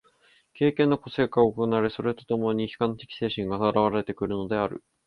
経験の個性化が行われ、それと共に批判的精神が現われてくるのである。